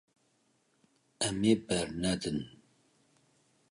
Em ê bernedin.